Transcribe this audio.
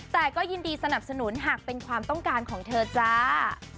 แต่ก็ยินดีสนับสนุนหากเป็นความต้องการของเธอจ้า